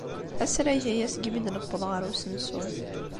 Asrag aya segmi d-newweḍ ɣer usensu.